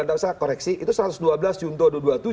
ada correksi itu satu ratus dua belas junto dua ratus dua puluh tujuh